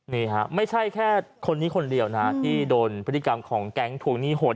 นี่ฮะไม่ใช่แค่คนนี้คนเดียวนะที่โดนพฤติกรรมของแก๊งทวงหนี้โหด